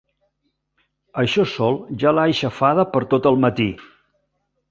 Això sol ja l'ha aixafada per tot el matí.